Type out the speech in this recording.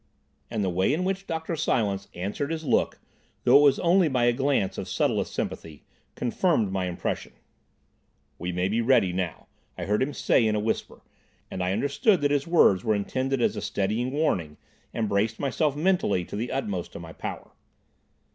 And the way in which Dr. Silence answered his look—though it was only by a glance of subtlest sympathy—confirmed my impression. "We may be ready now," I heard him say in a whisper, and I understood that his words were intended as a steadying warning, and braced myself mentally to the utmost of my power.